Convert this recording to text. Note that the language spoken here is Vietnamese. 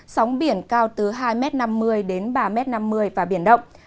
sóng biển cao từ hai năm mươi m đến ba năm mươi m và biển động